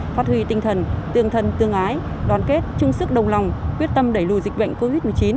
phát huy tinh thần tương thân tương ái đoàn kết chung sức đồng lòng quyết tâm đẩy lùi dịch bệnh covid một mươi chín